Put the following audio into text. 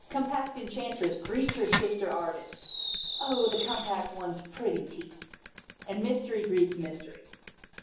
Com pact Enchantress greets her sister artist — Oh, the Compact One's pretty teeth !— and Mystery greets Mystery.